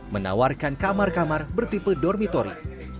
menawarkan kamar kamar bertipe dormitori